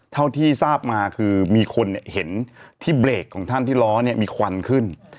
เท่าที่ทราบมาคือมีคนเห็นที่เบรกของท่านที่ล้อเนี่ยมีควันขึ้น